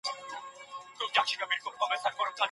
زه څنګه تلای سوم .